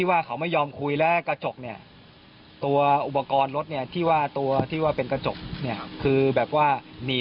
อารมณ์พื้นที่เราตามมีเก้าการถ่ายเอกและขวาง